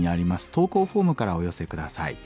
投稿フォームからお寄せ下さい。